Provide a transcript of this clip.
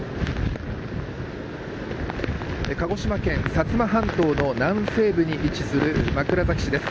薩摩半島の南西部に位置する枕崎市です。